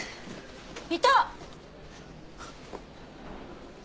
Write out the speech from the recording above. いた！